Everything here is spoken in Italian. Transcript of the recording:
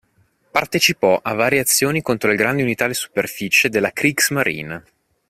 Partecipò a varie azioni contro le grandi unità di superficie della Kriegsmarine.